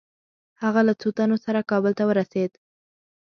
هغه له څو تنو سره کابل ته ورسېد.